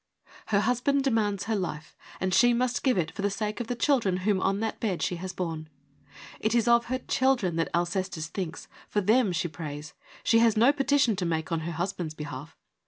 Her husband demands her life, and she must give it for the sake of the children whom on that bed she has borne. It is of her children that Alcestis thinks : for them she prays : she has no petition to make on her husband's behalf.